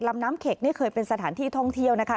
ลำน้ำเข็กนี่เคยเป็นสถานที่ท่องเที่ยวนะคะ